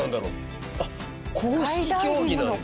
あっ公式競技なんだ。